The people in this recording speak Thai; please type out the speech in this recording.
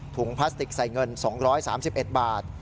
พลาสติกใส่เงิน๒๓๑บาท